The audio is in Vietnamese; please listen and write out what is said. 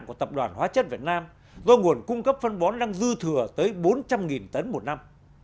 của tập đoàn hóa chất việt nam do nguồn cung cấp phân bón đang dư thừa tới bốn trăm linh tấn một năm